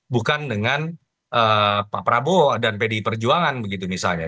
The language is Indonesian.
bukan dengan pak prabowo dan pdi perjuangan begitu misalnya